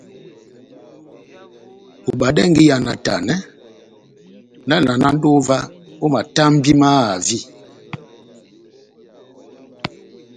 Obadɛngɛ iha náhtanɛ, nahávalanandi ová ó matambi mahavi.